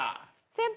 先輩！